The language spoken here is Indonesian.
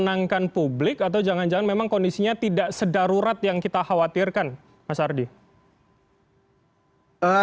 menenangkan publik atau jangan jangan memang kondisinya tidak sedarurat yang kita khawatirkan mas ardi